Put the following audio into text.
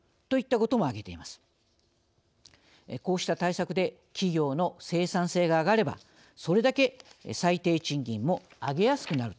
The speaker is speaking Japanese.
こうした対策で企業の生産性が上がればそれだけ最低賃金も上げやすくなるというわけです。